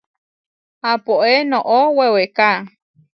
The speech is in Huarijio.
Aʼpóe noʼó weweká.